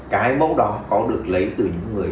cái mẫu đó có được lấy từ những người